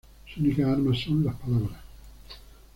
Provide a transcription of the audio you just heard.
Su únicas armas son las "palabras".